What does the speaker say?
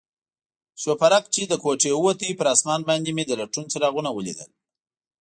شوپرک چې له کوټې ووت، پر آسمان باندې مې د لټون څراغونه ولیدل.